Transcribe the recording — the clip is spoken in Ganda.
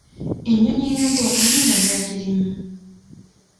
Ennyonyi eyagwa ani yali agirimu?